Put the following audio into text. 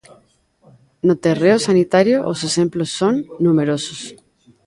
No terreo sanitario os exemplos son numerosos.